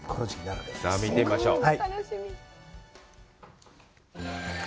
さあ、見てみましょう。